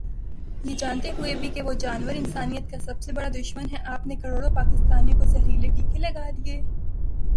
یہ جانتے ہوئے بھی کہ وہ جانور انسانیت کا سب سے بڑا دشمن ہے آپ نے کروڑوں پاکستانیوں کو زہریلے ٹیکے لگا دیے۔۔